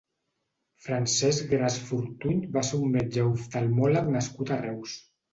Francesc Gras Fortuny va ser un metge oftalmòleg nascut a Reus.